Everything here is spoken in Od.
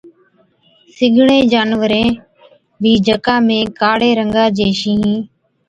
سِگڙين جانورين بِي جڪا ۾ ڪاڙي رنگا چي شِينهِين،